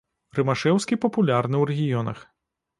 Рымашэўскі папулярны ў рэгіёнах.